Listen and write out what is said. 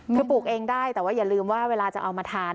คือปลูกเองได้แต่ว่าอย่าลืมว่าเวลาจะเอามาทาน